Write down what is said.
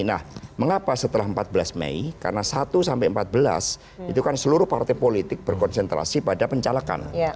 nah mengapa setelah empat belas mei karena satu sampai empat belas itu kan seluruh partai politik berkonsentrasi pada pencalekan